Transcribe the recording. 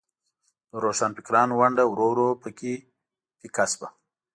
د روښانفکرانو ونډه ورو ورو په کې پیکه شوه.